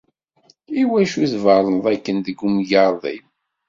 i wacu i tberrneḍ akken deg umgarḍ-im?